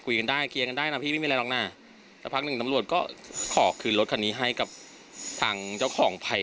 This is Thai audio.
คุยกันได้เคลียร์กันได้นะพี่ไม่มีอะไรหรอกนะสักพักหนึ่งตำรวจก็ขอคืนรถคันนี้ให้กับทางเจ้าของภัย